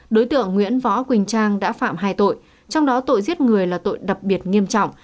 đối tượng nguyễn võ quỳnh trang đã phạm hai tội trong đó tội giết người là tội đặc biệt nghiêm trọng